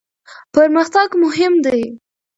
پرمختګ مهم دی.